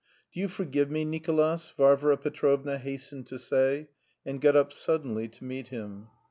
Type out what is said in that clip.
"Do you forgive me, Nicolas?" Varvara Petrovna hastened to say, and got up suddenly to meet him.